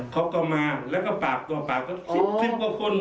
เขาก็มาแล้วก็ปากต่อปากก็๑๐กว่าคน